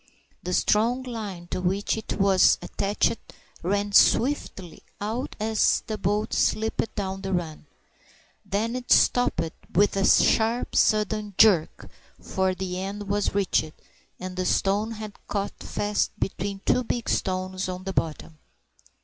The strong line to which it was attached ran swiftly out as the boat slipped down the run. Then it stopped with a sharp sudden jerk, for the end was reached, and the stone had caught fast between the big stones on the bottom.